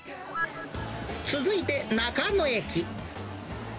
続いて、中野駅。